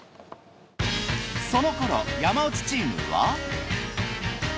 そのころ山内チームは。